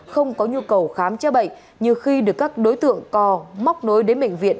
không có nhu cầu khám chế bệnh như khi được các đối tượng cò móc nối đến bệnh viện